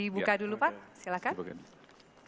buka dulu pak silakan